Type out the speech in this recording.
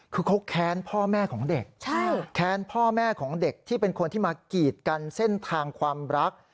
คือเขาแค้นพ่อแม่ของเด็กแค้นพ่อแม่ของเด็กที่เป็นคนที่มากีดกันเส้นทางความรัก